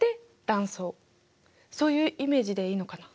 そういうイメージでいいのかな。